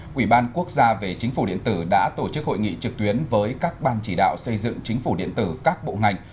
quỹ ban quốc gia về chính phủ điện tử đã tổ chức hội nghị trực tuyến với các ban chỉ đạo xây dựng chính phủ điện tử các bộ ngành